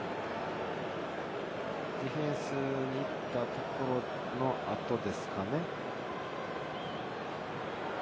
ディフェンスにいったところの後ですかね。